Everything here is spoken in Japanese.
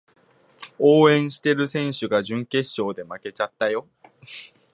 応援してる選手が準決勝で負けちゃったよ